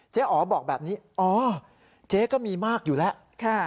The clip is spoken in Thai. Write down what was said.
อ๋อบอกแบบนี้อ๋อเจ๊ก็มีมากอยู่แล้ว